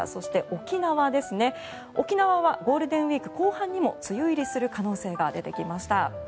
沖縄はゴールデンウィーク後半にも梅雨入りする可能性が出てきました。